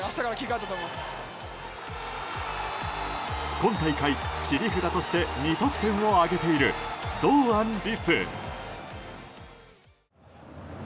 今大会、切り札として２得点を挙げている堂安律。